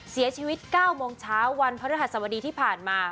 เสียชีวิต๙โมงเช้าวันพระฤหัสบดีที่ผ่านมา